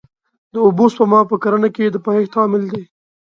د اوبو سپما په کرنه کې د پایښت عامل دی.